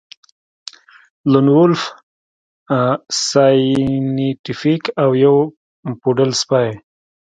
لون وولف سایینټیفیک او یو پوډل سپی